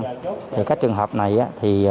thì các trường hợp này thì phòng chống